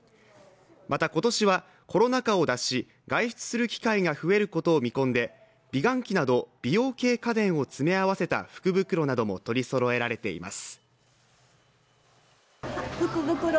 また今年はコロナ禍を脱し外出する機会が増えることを見込んで美顔器など美容系家電を詰め合わせた福袋なども取りそろえられています。